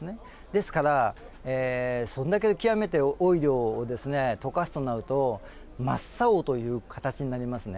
ですからそれだけ極めて多い量を溶かすとなると真っ青という形になりますね。